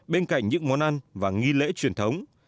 bên cạnh những món ăn và nghi lễ truyền thống